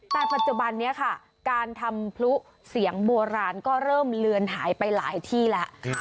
แต่ปัจจุบันนี้ค่ะการทำพลุเสียงโบราณก็เริ่มเลือนหายไปหลายที่แล้ว